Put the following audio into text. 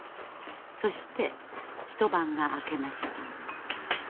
そして一晩が明けました。